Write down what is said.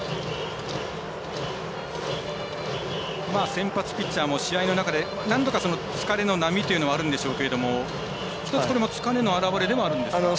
先発ピッチャーも試合の中で何度か疲れの波というのはあるんでしょうけど、これも１つ疲れの表れではあるんでしょうか。